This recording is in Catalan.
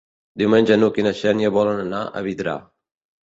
Diumenge n'Hug i na Xènia volen anar a Vidrà.